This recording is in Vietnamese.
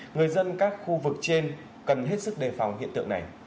người dân các khu vực trên cần hết sức đề phòng hiện tượng này